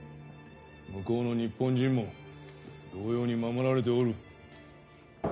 向こうの日本人も同様に守られておる。